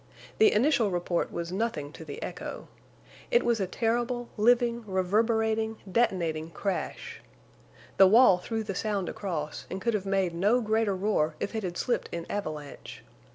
The initial report was nothing to the echo. It was a terrible, living, reverberating, detonating crash. The wall threw the sound across, and could have made no greater roar if it had slipped in avalanche.